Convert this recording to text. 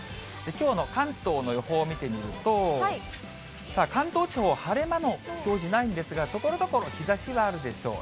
きょうの関東の予報を見てみると、さあ、関東地方、晴れ間の表示ないんですが、ところどころ日ざしはあるでしょう。